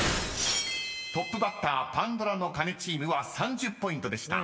［トップバッターパンドラの鐘チームは３０ポイントでした］